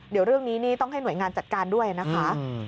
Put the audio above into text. เดี๋ยวเรื่องนี้นี่ต้องให้หน่วยงานจัดการด้วยนะคะ